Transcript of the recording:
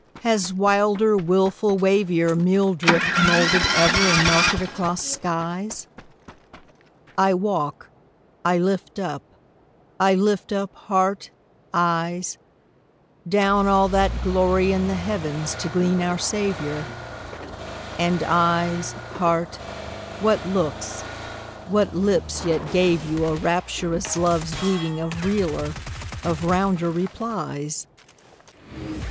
has wilder, wilful wavier Meal drift moulded ever and melted across skies? I walk, I lift up, I lift up heart, eyes, Down all that glory in the heavens to glean our Saviour; And, éyes, heárt, what looks, what lips yet gave you a Rapturous love's greeting of realer, of rounder replies?